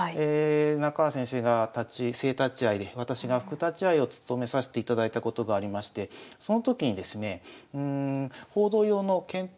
中原先生が正立会で私が副立会を務めさせていただいたことがありましてその時にですね報道用の検討